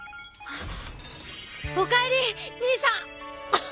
おかえり兄さん！